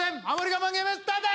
我慢ゲームスタート！